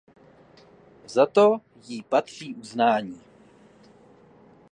Za to jí patří uznání.